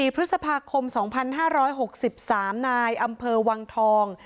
พฤษภาคม๒๕๖๓นายอำเภอวังทอง